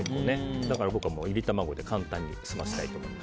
だから僕は、いり卵で簡単に済ませたいと思います。